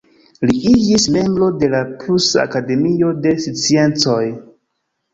Li iĝis membro de la Prusa Akademio de Sciencoj.